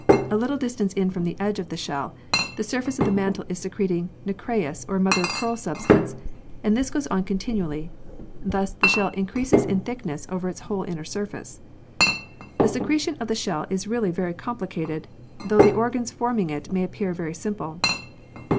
A little distance in from the edge of the shell the surface of the mantle is secreting nacreous or mother of pearl substance, and this goes on continually. Thus the shell increases in thickness over its whole inner surface. The secretion of the shell is really very compli cated, though the organs forming it may appear very simple.